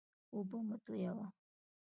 اوبه مه تویوه.